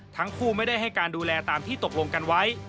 ทั้งคู่ไม่ได้ให้การดูแลตามที่ตกลงกันไว้